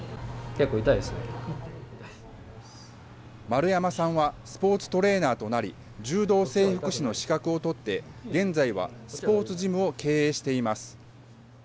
丸山さんはスポーツトレーナーとなり、柔道整復師の資格を取って、現在はスポーツジムを経営しています。